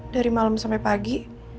dari malem sampe pagi